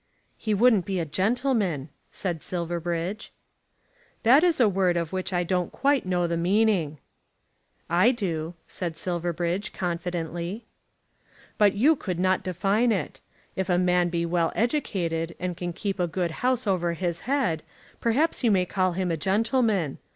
"He wouldn't be a gentleman," said Silverbridge. "That is a word of which I don't quite know the meaning." "I do," said Silverbridge confidently. "But you could not define it. If a man be well educated, and can keep a good house over his head, perhaps you may call him a gentleman.